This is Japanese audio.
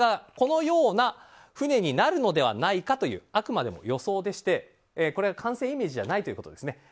このような船になるのではないかというあくまでも予想でしてこれが完成イメージじゃないということですね。